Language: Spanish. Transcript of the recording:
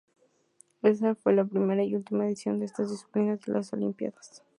Esa fue la primera y última edición de esta disciplina en las Olimpíadas.